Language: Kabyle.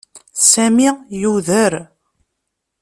Sami yuder.